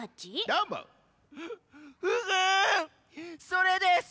それです！